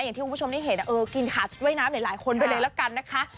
อย่างที่คุณผู้ชมได้เห็นกินขาชุดว่ายน้ำหลายคนไปเลยแล้วกันนะคะ